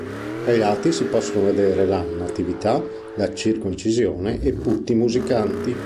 Ai lati si possono vedere la "Natività", la "Circoncisione" e putti musicanti.